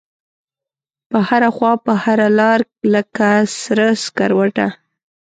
په هره خواپه هره لاره لکه سره سکروټه